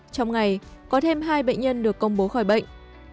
trong ngày có thêm hai bệnh nhân được công bố khỏi bệnh